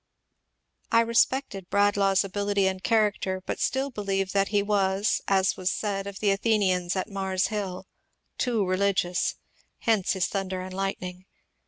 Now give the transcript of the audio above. I respected Bradlaugh*s ability and character, bat still believe that he was, as was said of the Athenians at Mars Hill, *^ too religious." Hence his thunder and lightning.